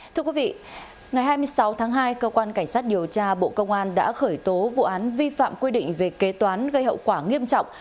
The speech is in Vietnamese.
thưa quý vị ngày hai mươi sáu tháng hai cơ quan cảnh sát điều tra bộ công an đã khởi tố vụ án vi phạm quy định về kế toán gây hậu quả nghiêm trọng